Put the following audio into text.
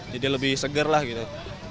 jadi lebih seger lah gitu